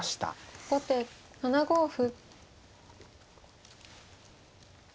後手７五歩。